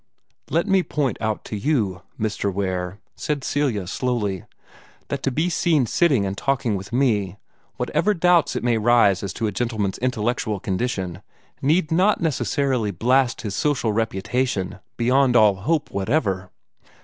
"Let me point out to you, Mr. Ware," said Celia, slowly, "that to be seen sitting and talking with me, whatever doubts it may raise as to a gentleman's intellectual condition, need not necessarily blast his social reputation beyond all hope whatever."